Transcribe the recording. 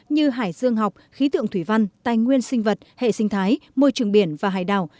như hải dương học khí tượng thủy văn tài nguyên sinh vật hệ sinh thái môi trường biển và hải đảo